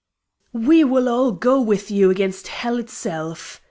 "We will all go with you against Hell itself!"